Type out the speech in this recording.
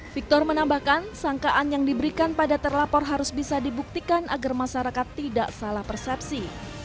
victor menambahkan sangkaan yang diberikan pada terlapor harus bisa dibuktikan agar masyarakat tidak salah persepsi